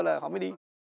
giờ họ mới đi